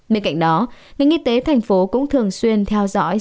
bên cạnh đó ngành y tế tp hcm cũng thường xuyên theo dõi